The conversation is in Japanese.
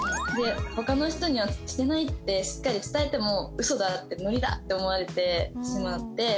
で他の人にはしてないってしっかり伝えても「ウソだ！」って「ノリだ！」って思われてしまって。